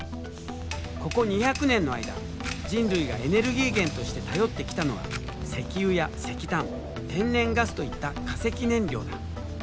ここ２００年の間人類がエネルギー源として頼ってきたのは石油や石炭天然ガスといった化石燃料だ。